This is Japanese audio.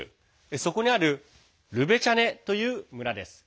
そこにあるリュベチャネという村です。